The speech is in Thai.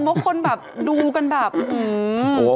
เพราะคนแบบดูกันแบบอื้อหือ